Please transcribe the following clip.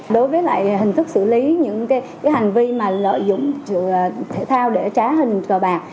đối với hình thức xử lý những hành vi lợi dụng thể thao để trá hình cờ bạc